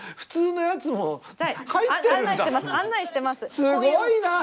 すごいな。